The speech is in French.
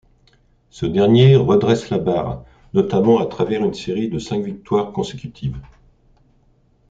Ce dernier redresse la barre, notamment à travers une série de cinq victoires consécutives.